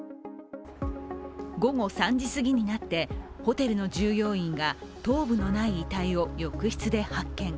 午後３時すぎになってホテルの従業員が頭部のない遺体を浴室で発見。